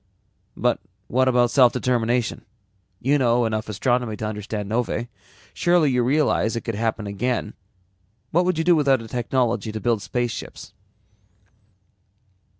"But what about self determination? You know enough astronomy to understand novae. Surely you realize it could happen again. What would you do without a technology to build spaceships?"